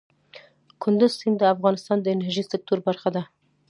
کندز سیند د افغانستان د انرژۍ سکتور برخه ده.